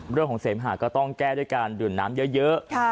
เรื่องของเสมหาก็ต้องแก้ด้วยการดื่มน้ำเยอะ